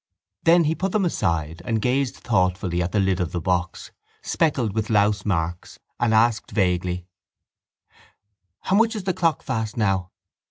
Then he put them aside and gazed thoughtfully at the lid of the box, speckled with louse marks, and asked vaguely: —How much is the clock fast now?